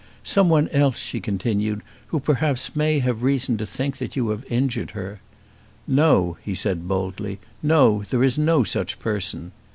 "Someone else," she continued, "who perhaps may have reason to think that you have injured her." "No," he said boldly; "no; there is no such person."